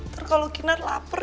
terus kalau kinar lapar